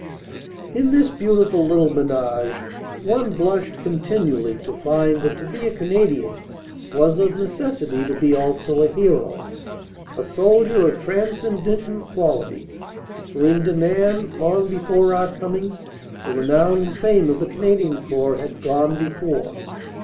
In this beautiful little menage, one blushed continually to find that to be a Canadian was of necessity to be also a hero, a soldier of transcendent qualities, for in Denain, long before 350 CANADA S HUNDRED DAYS our coming, the renown and fame of the Canadian Corps had gone before.